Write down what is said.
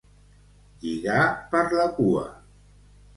Lligar per la cua.